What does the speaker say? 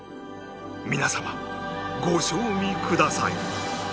皆様ご賞味ください